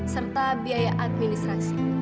serta biaya administrasi